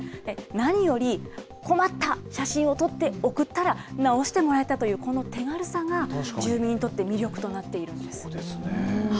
何より、困った、写真を撮って送ったら直してもらえたという、この手軽さが住民にとって魅力となそうですね。